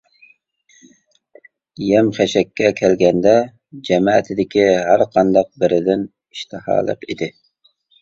يەم-خەشەككە كەلگەندە جەمەتىدىكى ھەرقانداق بىرىدىن ئىشتىھالىق ئىدى.